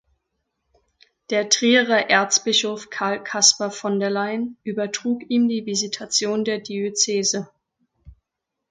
Der Trierer Erzbischof Karl Kaspar von der Leyen übertrug ihm die Visitation der Diözese.